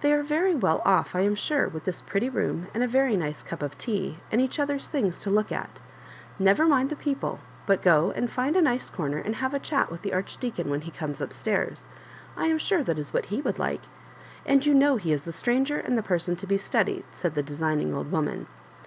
They are very well off, I am sure, with this pretty room and a very nice cup of tea, and each other's things to look at Never mind the people, but go and find a nice comer and have a chat with the Archdea con when he comes up stairs. I am sure that is what he would like. And you know he is the stranger and the person to be studied," said the designing old woman.